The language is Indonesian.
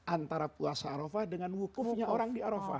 antara puasa arofah dengan wukufnya orang di arofah